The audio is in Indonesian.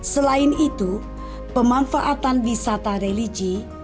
selain itu pemanfaatan wisata religi